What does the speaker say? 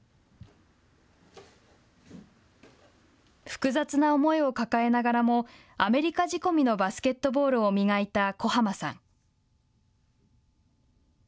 複雑な思いを抱えながらもアメリカ仕込みのバスケットボールを磨いた小浜さん。